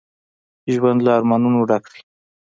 ژوند له ارمانونو ډک دی